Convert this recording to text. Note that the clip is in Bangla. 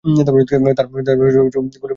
তার গুলি লেগেছে, পালিয়ে গেছে।